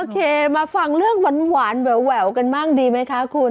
มาฟังเรื่องหวานแหววกันบ้างดีไหมคะคุณ